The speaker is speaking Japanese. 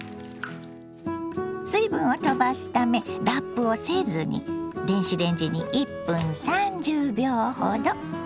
水分をとばすためラップをせずに電子レンジに１分３０秒ほど。